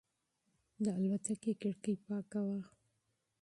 د الوتکې کړکۍ پاکه وه.